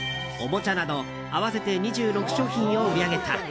おもちゃなど合わせて２６商品を売り上げた。